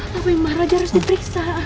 tapi emang raja harus diperiksa